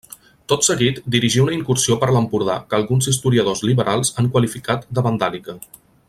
Tot seguit dirigí una incursió per l'Empordà que alguns historiadors liberals han qualificat de vandàlica.